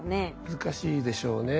難しいでしょうね。